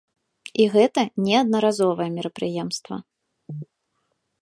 І гэта не аднаразовае мерапрыемства.